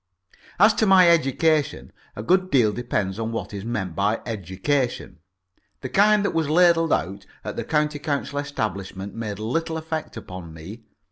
As to my education, a good deal depends on what is meant by education. The kind that was ladled out at the County Council establishment made little effect upon me.